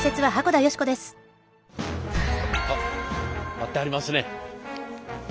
待ってはりますね。